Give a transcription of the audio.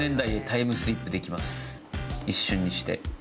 一瞬にして。